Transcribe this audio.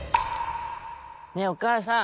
「ねえおかあさん